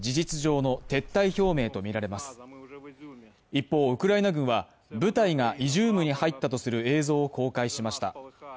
一方、ウクライナ軍は、部隊がイジュームに入ったとする映像を公開しました。